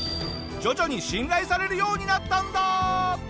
徐々に信頼されるようになったんだ！